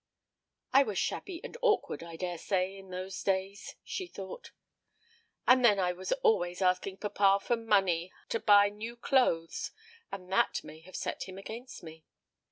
"I was shabby and awkward, I daresay, in those days," she thought; "and then I was always asking papa for money to buy new clothes; and that may have set him against me.